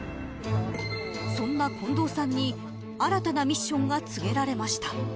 そんな近藤さんに新たなミッションが告げられました。